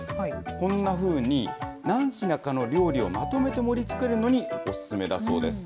こんなふうに、何品かの料理をまとめて盛りつけるのに、お勧めだそうです。